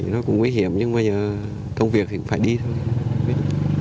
nó cũng nguy hiểm nhưng mà công việc thì phải đi thôi